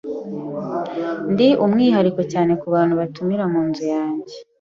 Ndi umwihariko cyane kubantu batumira munzu yanjye.